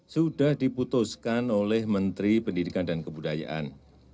sudah diputuskan oleh menteri pendidikan dan kebudayaan